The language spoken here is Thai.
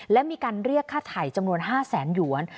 และมีการเรียกค่าไถ่จำนวน๕แสนหยวน